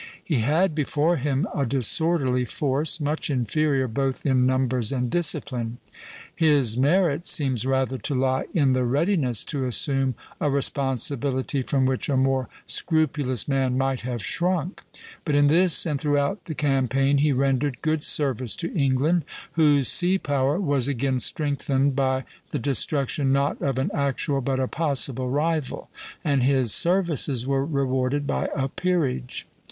He had before him a disorderly force, much inferior both in numbers and discipline. His merit seems rather to lie in the readiness to assume a responsibility from which a more scrupulous man might have shrunk; but in this and throughout the campaign he rendered good service to England, whose sea power was again strengthened by the destruction not of an actual but a possible rival, and his services were rewarded by a peerage.